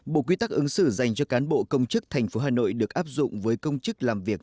bộ quy tắc ứng xử dành cho cán bộ công chức tp hà nội được áp dụng với công chức làm việc